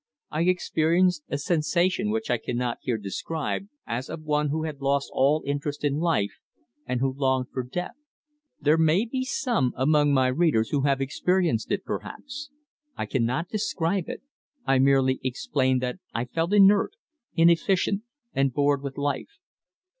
I experienced a sensation which I cannot here describe, as of one who had lost all interest in life, and who longed for death. There may be some among my readers who have experienced it, perhaps. I cannot describe it; I merely explain that I felt inert, inefficient, and bored with life.